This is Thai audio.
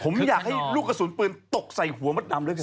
ผมอยากให้ลูกกระสุนปืนตกใส่หัวมดดำแล้วสิ